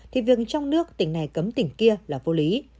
thì việc trong nước tỉnh này cấm tỉnh kia là vô lý